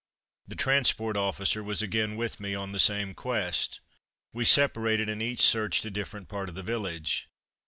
The transport officer was again with me on the same quest. We separated, and each searched a different part of the village.